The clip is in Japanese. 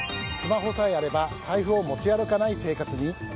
スマホさえあれば財布を持ち歩かない生活に？